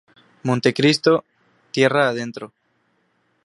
Montecristo, Tierra Adentro.